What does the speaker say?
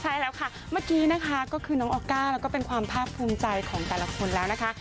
ใช่แล้วค่ะเมื่อกี้นะคะก็คือน้องออก้าแล้วก็เป็นความภาคภูมิใจของแต่ละคนแล้วนะคะ